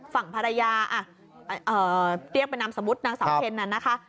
ฝั่งภรรยาเรียกเป็นน้ำสมุดนางสาวเทลนั้นนะคะ